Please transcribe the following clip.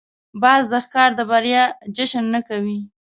باز د ښکار د بریا جشن نه کوي